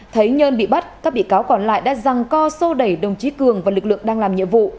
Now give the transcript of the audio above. thấy nhân bị bắt các bị cáo còn lại đã răng co sô đẩy đồng chí cường và lực lượng đang làm nhiệm vụ